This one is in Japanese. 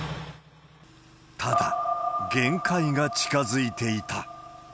ただ、限界が近づいていた。